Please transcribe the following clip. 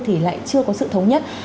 thì lại chưa có sự thống nhất